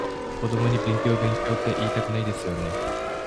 子供に勉強勉強っていいたくないですよね？